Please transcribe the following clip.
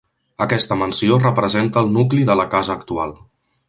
Aquesta mansió representa el nucli de la casa actual.